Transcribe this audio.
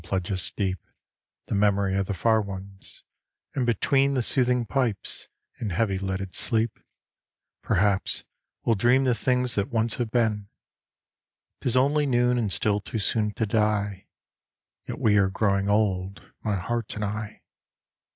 pledge us deep The memory of the far ones, and between The soothing pipes, in heavy lidded sleep, Perhaps we'll dream the things that once have been. 'Tis only noon and still too soon to die, Yet we are growing old, my heart and I.